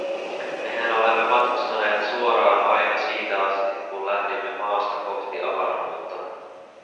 Mehän olemme matkustaneet suoraan aina siitä asti, kun lähdimme maasta kohti avaruutta.